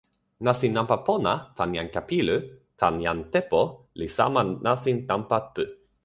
nasin nanpa pona tan jan Kapilu tan jan Tepo li sama nasin nanpa pu.